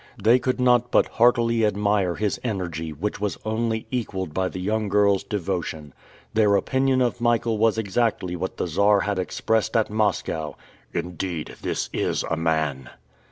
They could not but heartily admire his energy, which was only equaled by the young girl's devotion. Their opinion of Michael was exactly what the Czar had expressed at Moscow: "Indeed, this is a Man!"